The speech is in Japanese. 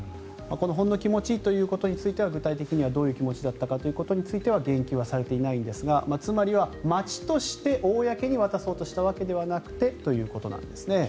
このほんの気持ちということについては具体的にはどういう気持ちだったかということについては減給はされていないんですがつまりは町として公に渡そうとしたわけではなくてということです。